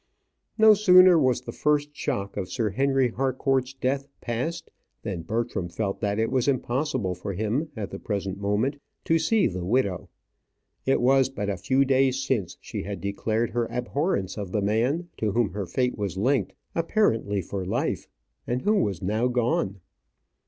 No sooner was the first shock of Sir Henry Harcourt's death past, than Bertram felt that it was impossible for him at the present moment to see the widow. It was but a few days since she had declared her abhorrence of the man to whom her fate was linked, apparently for life, and who was now gone.